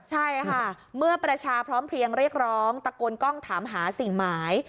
ใช่ค่ะเมื่อประชาพร้อมเพลียงเรียกร้องตะโกนกล้องถามหาสิ่งหมาย